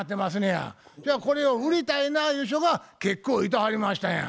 じゃあこれを売りたいなゆう人が結構いてはりましたんや。